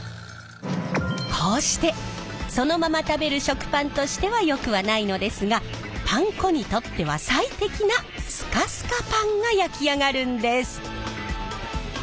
こうしてそのまま食べる食パンとしてはよくはないのですがパン粉にとっては最適なスカスカパンが焼き上がるんです！